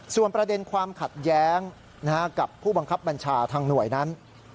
ส่วนประเด็นความขัดแย้งกับผู้บังคับบัญชาทางหน่วยนั้น